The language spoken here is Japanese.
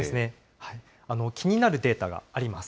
気になるデータがあります。